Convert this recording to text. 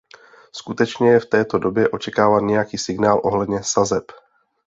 Skutečně je v této době očekáván nějaký signál ohledně sazeb.